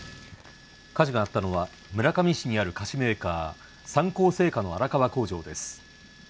火事があったのは村上市にある菓子メーカー三幸製菓の荒川工場です